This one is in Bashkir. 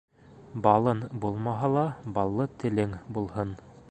Балын булмаһа ла, баллы телең булһын.